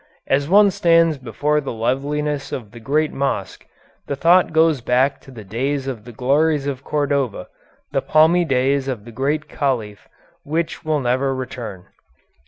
As one stands before the loveliness of the great mosque, the thought goes back to the days of the glories of Cordova, the palmy days of the Great Khalif, which will never return."